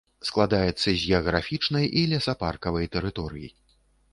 Складаецца з геаграфічнай і лесапаркавай тэрыторый.